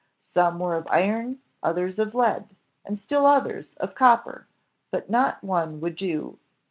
Some were of iron, others of lead, and still others of copper, but not one would do.